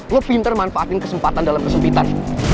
lo pinter manfaatin kesempatan dalam kesulitan